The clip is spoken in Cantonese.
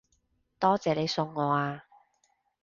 多謝你送我啊